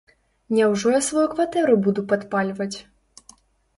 Няўжо я сваю кватэру буду падпальваць.